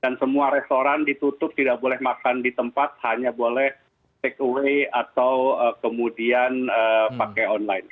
dan semua restoran ditutup tidak boleh makan di tempat hanya boleh take away atau kemudian pakai online